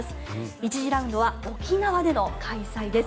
１次ラウンドは沖縄での開催です。